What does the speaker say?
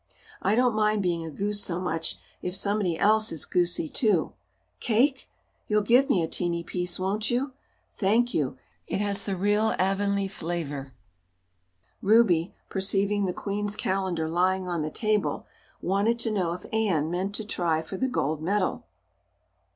I don't mind being a goose so much if somebody else is goosey, too. Cake? You'll give me a teeny piece, won't you? Thank you. It has the real Avonlea flavor." Ruby, perceiving the Queen's calendar lying on the table, wanted to know if Anne meant to try for the gold medal.